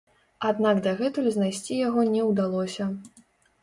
Аднак дагэтуль знайсці яго не ўдалося.